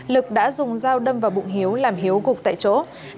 lực đã dùng dao đâm vào bụng hiếu làm hiếu gục tại chỗ